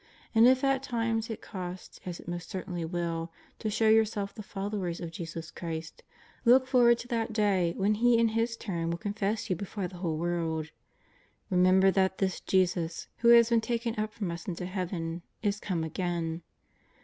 And if at times it costs, as it most certainly will, to show yourselves the followers of Jesus Christ, look forward to that Day when He in His turn will confess you before the whole world. Remember that this Jesus, who has been taken up from us into Heaven, is to come again.